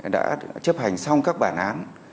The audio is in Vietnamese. đã chấp hành xong các bản án